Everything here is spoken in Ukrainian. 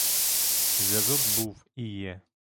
Зв'язок був і є!